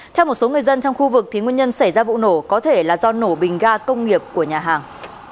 theo một số người dân trong khu vực nguyên nhân xảy ra vụ nổ có thể là do nổ bình ga công nghiệp của nhà hàng